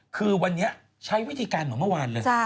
คือวันนี้ใช้วิธีการเหมือนเมื่อวานเลย